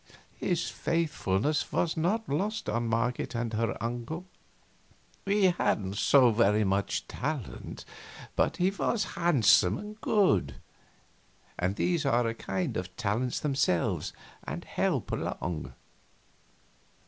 His faithfulness was not lost on Marget and her uncle. He hadn't so very much talent, but he was handsome and good, and these are a kind of talents themselves and help along.